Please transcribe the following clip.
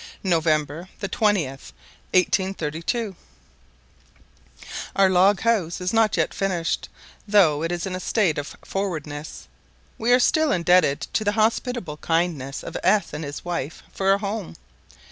November the 20th, 1832. OUR log house is not yet finished, though it is in a state of forwardness. We are still indebted to the hospitable kindness of S and his wife for a home.